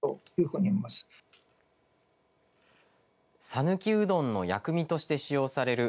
さぬきうどんの薬味として使用される